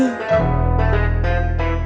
bukan cuma udah bangun